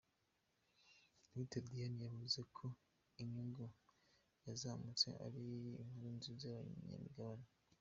Dr Diane yavuze ko inyungu yazamutse ari n’inkuru nziza ku banyamigabane.